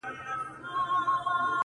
دا چي د سونډو د خـندا لـه دره ولـويــږي.